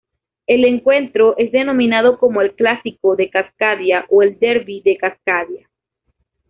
El encuentro es denominado como el Clásico de Cascadia o el Derby de Cascadia.